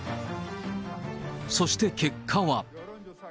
そして結果は。